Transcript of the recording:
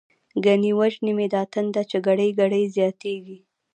گڼی وژنی می دا تنده، چی گړی گړی زیاتتیږی